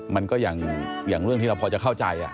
มันก็อย่างเรื่องที่เราพอจะเข้าใจ